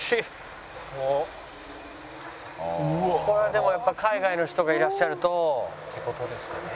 これはでもやっぱ海外の人がいらっしゃると。って事ですかね？